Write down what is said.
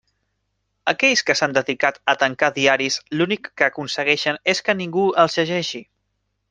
Aquells que s'han dedicat a tancar diaris l'únic que aconsegueixen és que ningú els llegeixi.